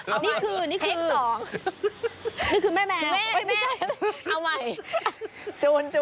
เอาใหม่นี่คือแม่แมวไม่เอาใหม่จูน